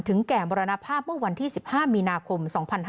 แก่มรณภาพเมื่อวันที่๑๕มีนาคม๒๕๕๙